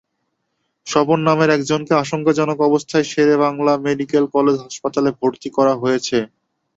স্বপন নামের একজনকে আশঙ্কাজনক অবস্থায় শের-ই-বাংলা মেডিকেল কলেজ হাসপাতালে ভর্তি করা হয়েছে।